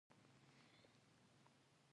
غږ د فصاحت توره ده